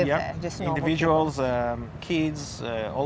yang tinggal di sana